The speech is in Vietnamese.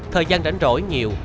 thời gian rảnh rỗi nhiều